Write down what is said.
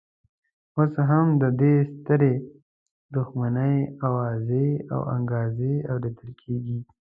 اوس هم د دې سترې دښمنۍ اوازې او انګازې اورېدل کېږي.